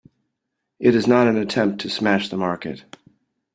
It is not an attempt to smash the market.